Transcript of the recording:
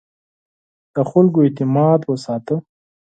د خلکو اعتماد وساته.